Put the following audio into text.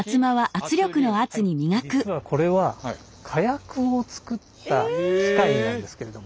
実はこれは火薬を作った機械なんですけれども。